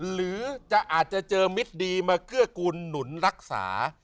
หรือจะอาจจะเจอมิตรดีมาเกื้อกูลหนุนรักษา